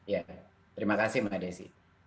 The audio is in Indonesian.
ya terima kasih mbak desi